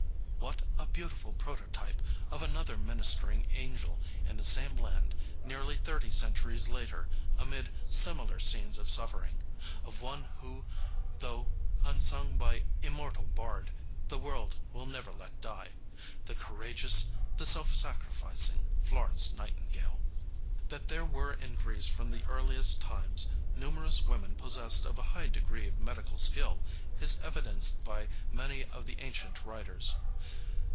What a beautiful prototype of another ministering angel in the same land nearly thirty centuries later, amid similar scenes of suffering of one who, though unsung by immortal bard, the world will never let die the courageous, the self sacrificing Florence Nightingale. That there were in Greece from the earliest times numerous women possessed of a high degree of medical skill is evidenced by many of the ancient writers.